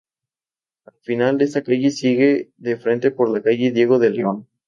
Al final de esta calle, sigue de frente por la calle Diego de León.